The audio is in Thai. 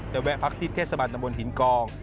จะแวะพักที่เทศบรรย์ตำบลถิ่นกอง